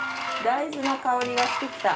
大豆の香りがしてきた。